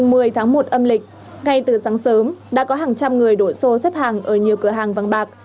ngày một mươi tháng một âm lịch ngay từ sáng sớm đã có hàng trăm người đổ xô xếp hàng ở nhiều cửa hàng vàng bạc